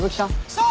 そう！